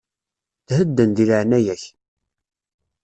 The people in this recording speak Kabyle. Thedden, deg leɛaya-k.